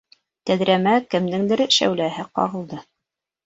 Тәҙрәмә кемдеңдер шәүләһе ҡағылды.